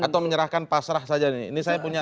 atau menyerahkan pasrah saja ini